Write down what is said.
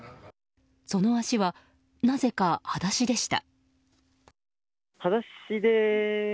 その足は、なぜかはだしでした。